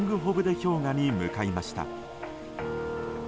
氷河に向かいました。